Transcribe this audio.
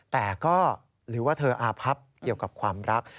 แต่ก็หรือว่าเธออาพับเกี่ยวกับความรัก